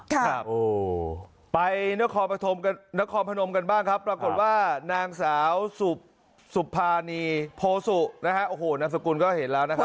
ครับไปนครปฐมกับนครพนมกันบ้างครับปรากฏว่านางสาวสุภานีโพสุนะฮะโอ้โหนามสกุลก็เห็นแล้วนะครับ